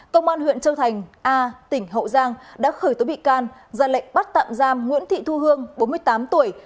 tỉnh hậu giang đã khởi tối bị can ra lệnh bắt tạm giam nguyễn thị thu hương bốn mươi tám tuổi